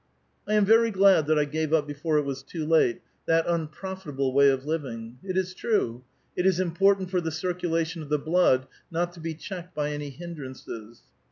" 1 am very glad that I gave up before it was too late, that unprofitable way of living. It is true ; it is important for the circulation of the blood not to be checked by any hindrances.